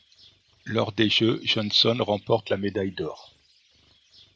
Lors des jeux, Johnson remporte la médaille d'or.